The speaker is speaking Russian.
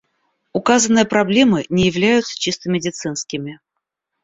Указанные проблемы не являются чисто медицинскими.